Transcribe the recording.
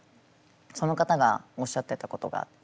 その方がおっしゃってたことがあって。